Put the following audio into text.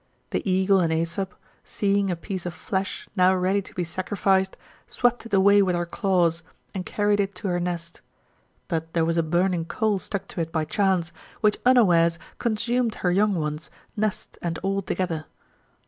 The eagle in Aesop, seeing a piece of flesh now ready to be sacrificed, swept it away with her claws, and carried it to her nest; but there was a burning coal stuck to it by chance, which unawares consumed her young ones, nest, and all together.